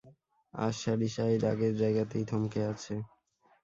আর Shadyside আগের যায়গাতেই থমকে আছে।